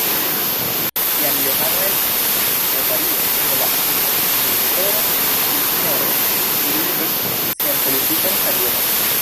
Kiam Johano estis sekretario de la inkvizitoro Cisneros, li ekis sian politikan karieron.